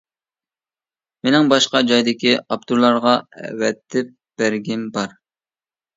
مېنىڭ باشقا جايدىكى ئاپتورلارغا ئەۋەتىپ بەرگىم بار.